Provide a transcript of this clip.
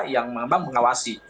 yang memang mengawasi